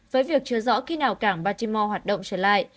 với việc chưa rõ khi nào cảng batimo hoạt động trở lại